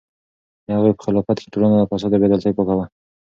د هغوی په خلافت کې ټولنه له فساد او بې عدالتۍ پاکه وه.